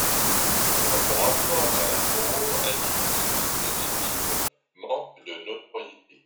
Dans son rapport, Madame Moreau indique que ce dispositif manque de notoriété.